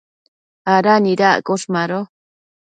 ¿ada nidaccosh? Mado